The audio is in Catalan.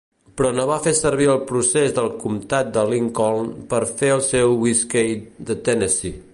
Però no va fer servir el procés del comtat de Lincoln per fer el seu whiskey de Tennessee.